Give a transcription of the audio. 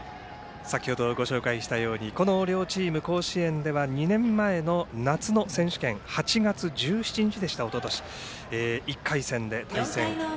先ほどご紹介したようにこの両チーム、甲子園では２年前の８月１７日、１回戦で対戦。